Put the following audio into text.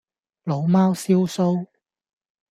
老貓燒鬚